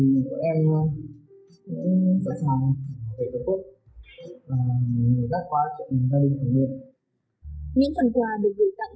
những phần quà được gửi tặng